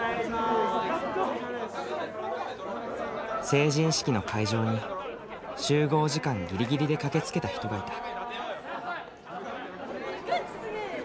成人式の会場に集合時間ギリギリで駆けつけた人がいた。